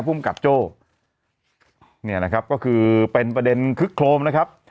ภูมิกับโจ้เนี่ยนะครับก็คือเป็นประเด็นคึกโครมนะครับ